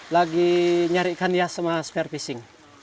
lagi nyari ikan ya sama spare fishing